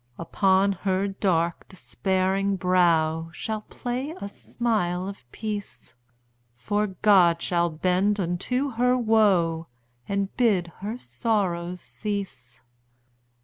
Upon her dark, despairing brow Shall play a smile of peace; For God shall bend unto her woe, And bid her sorrows cease.